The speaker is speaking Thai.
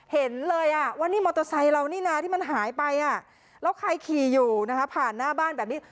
เห็นเลยว่านี่มอเตอร์ไซค์เรานี่นะที่มันหายไปแล้วใครขี่อยู่นะคะผ่านหน้าบ้านแบบนี้